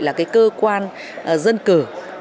là cái cơ quan dân cử